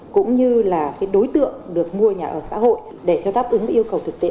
cũng như là đối tượng được mua nhà ở xã hội để cho đáp ứng yêu cầu thực tế